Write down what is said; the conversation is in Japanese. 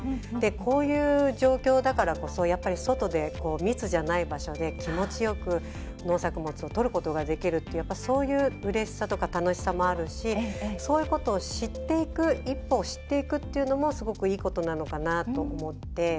こういう状況だからこそ外で密じゃない場所で気持ちよく農作物をとることができるってそういううれしさとか楽しさもあるし、そういうことも１個知っていくっていうのもすごくいいことなのかなと思って。